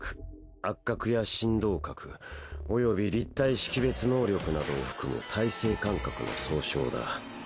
圧覚や振動覚及び立体識別能力などを含む体性感覚の総称だ。